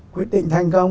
quyết định thành công